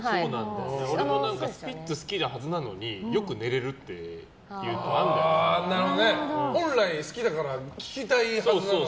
俺もスピッツ好きなはずなのによく寝れるっていうのが本来好きだから聴きたいはずなのにね。